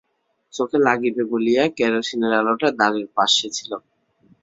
চোখে লাগিবে বলিয়া কেরোসিনের আলোটা দ্বারের পার্শ্বে ছিল।